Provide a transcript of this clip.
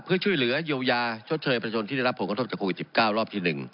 เพื่อช่วยเหลือเยียวยาชดเชยประชนที่ได้รับผลกระทบจากโควิด๑๙รอบที่๑